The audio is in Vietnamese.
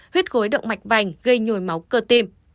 huyết khối động mạch vành gây nhồi máu cơ tim